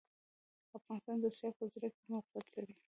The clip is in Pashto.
افغانستان د اسیا په زړه کي موقیعت لري